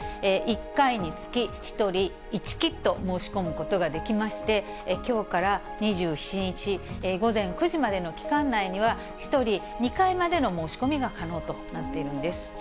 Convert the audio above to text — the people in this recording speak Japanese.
１回につき１人１キット申し込むことができまして、きょうから２７日午前９時までの期間内には、１人２回までの申し込みが可能となっているんです。